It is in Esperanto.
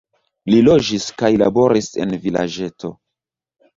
Li loĝis kaj laboris en vilaĝeto.